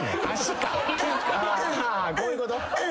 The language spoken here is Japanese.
あこういうこと？